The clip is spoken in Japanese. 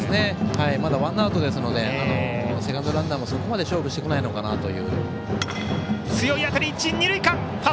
まだワンアウトですのでセカンドランナーもそこまで勝負してこないのかなと。